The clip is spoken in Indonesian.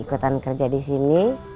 ikutan kerja di sini